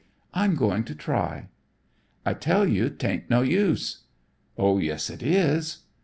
I'm going to try." "I tell you 'tain't no use." "Oh, yes, it is."